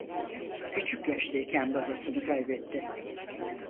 Küçük yaşta iken babasını kaybetti.